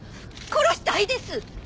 殺したいです！